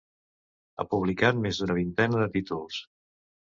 Ha publicat més d'una vintena de títols.